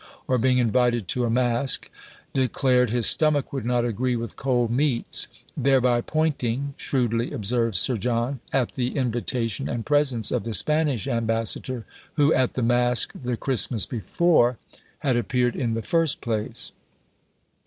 or being invited to a mask, declared "his stomach would not agree with cold meats:" "thereby pointing" (shrewdly observes Sir John) "at the invitation and presence of the Spanish ambassador, who, at the mask the Christmas before, had appeared in the first place."